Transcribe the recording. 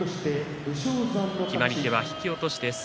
決まり手は引き落としです。